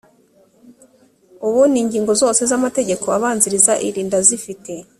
ubu n’ingingo zose z’amategeko abanziriza iri ndazifite